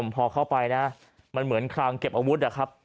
พอเข้าไปเหมือนคลังเก็บอาวุธ